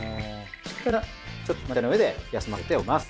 そうしたらちょっとまな板の上で休ませておきます。